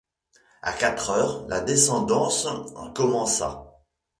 À quatre heures, la descente commença.